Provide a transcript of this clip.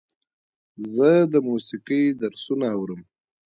زه د موسیقۍ درسونه اورم.